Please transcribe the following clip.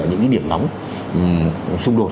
những cái điểm nóng xung đột